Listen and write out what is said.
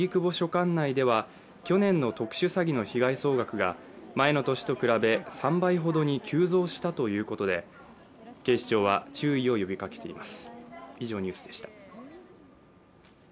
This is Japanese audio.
管内では去年の特殊詐欺の被害総額が前の年と比べ３倍ほどに急増したということで警視庁が注意を呼びかけています。